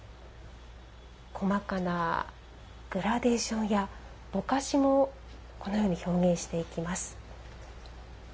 細かなグラデーションやぼかしもこのように表現していきます。